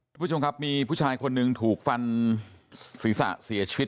ทุกผู้ชมครับมีผู้ชายคนหนึ่งถูกฟันศีรษะเสียชีวิต